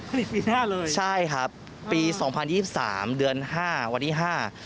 ปีหน้าเลยใช่ครับปีสองพันยี่สิบสามเดือนห้าวันที่ห้า